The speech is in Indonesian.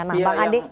nah bang adik